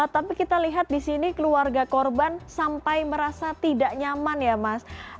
tapi kita lihat di sini keluarga korban sampai merasa tidak nyaman ya mas